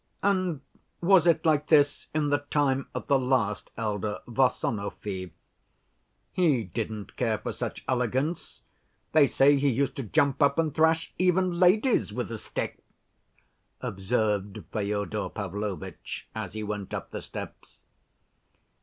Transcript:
"And was it like this in the time of the last elder, Varsonofy? He didn't care for such elegance. They say he used to jump up and thrash even ladies with a stick," observed Fyodor Pavlovitch, as he went up the steps.